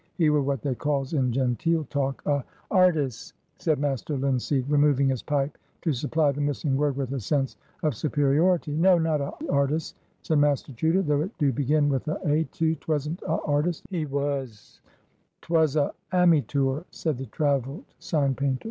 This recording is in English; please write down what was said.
"He were what they calls in genteel talk a"— "Artis'," said Master Linseed, removing his pipe, to supply the missing word with a sense of superiority. "No, not a artis'," said Master Chuter, "though it do begin with a A, too. 'Twasn't a artis' he was, 'twas a"— "Ammytoor," said the travelled sign painter.